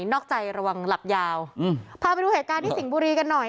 นอกใจระวังหลับยาวพาไปดูเหตุการณ์ที่สิงห์บุรีกันหน่อย